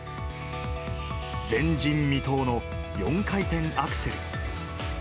前人未到の４回転アクセル。